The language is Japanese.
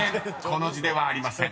この字ではありません］